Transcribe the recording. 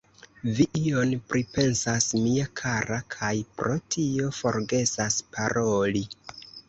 Vi ion pripensas, mia kara, kaj pro tio forgesas paroli.